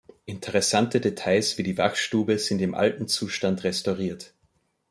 Interessante Details wie die Wachstube sind im alten Zustand restauriert.